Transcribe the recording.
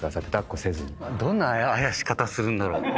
どんなあやし方するんだろう？